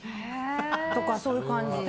とか、そういう感じ。